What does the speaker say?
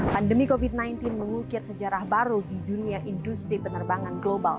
pandemi covid sembilan belas mengukir sejarah baru di dunia industri penerbangan global